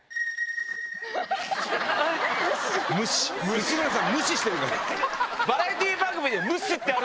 内村さん無視してるから。